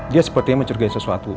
dia sepertinya mencurigai sesuatu